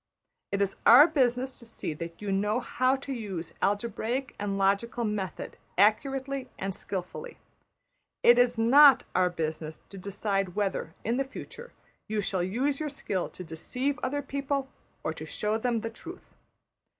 It is our business to see that you know how to use algebraic and logical method accurately and skilfully; it is not our business to decide whether, in the future, you shall use your skill to deceive other people or to show them the truth.